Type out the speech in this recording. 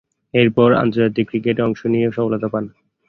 এরপর, আন্তর্জাতিক ক্রিকেটে অংশ নিয়ে সফলতা পান।